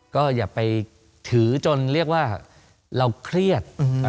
ก็อย่าไปถือจนเรียกว่าเราเครียด